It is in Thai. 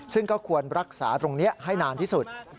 ซึ่งก็ควรรักษาตรงนี้ให้นานที่สุด